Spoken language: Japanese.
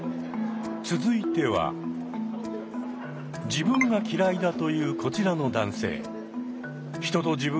自分が嫌いだというこちらの男性。